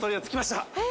え？